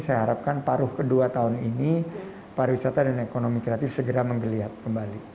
saya harapkan paruh kedua tahun ini pariwisata dan ekonomi kreatif segera menggeliat kembali